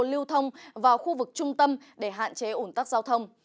lưu thông vào khu vực trung tâm để hạn chế ủn tắc giao thông